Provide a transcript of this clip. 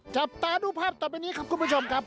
จับตาดูภาพต่อไปนี้ครับคุณผู้ชมครับ